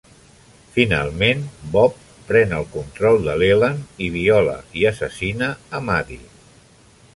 Finalment, Bob pren el control de Leland i viola i assassina a Maddie.